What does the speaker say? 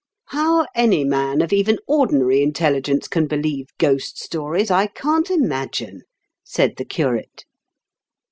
" How any man of even ordinary intelli gence can believe ghost stories, I can't imagine," said the curate.